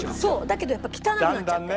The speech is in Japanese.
だけど汚くなっちゃって。